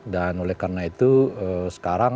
dan oleh karena itu sekarang